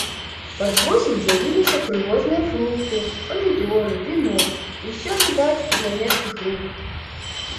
Пад восень з'явіліся прывозныя фрукты, памідоры, віно, усё, відаць, з нямецкіх рук.